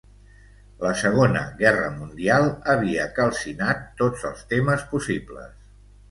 La Segona Guerra Mundial havia calcinat tots els temes possibles.